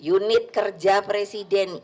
unit kerja presiden